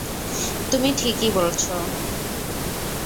তুমি ঠিকই বলছো।